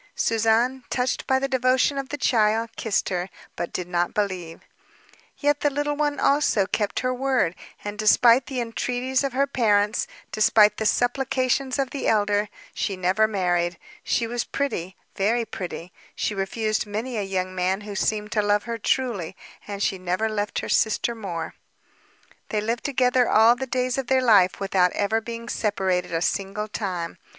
Suzanne, touched by the devotion of the child, kissed her, but did not believe. Yet the little one, also, kept her word, and despite the entreaties of her parents, despite the supplications of the elder, she never married. She was pretty, very pretty; she refused many a young man who seemed to love her truly; and she never left her sister more. They lived together all the days of their life, without ever being separated a single time.